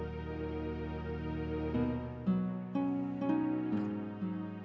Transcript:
aduh ken mana sih nih candy nih